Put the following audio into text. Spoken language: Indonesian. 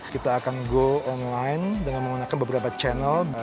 kita akan go online dengan menggunakan beberapa channel